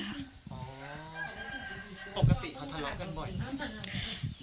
ปกติเขาทะเลาะกันบ่อยไหม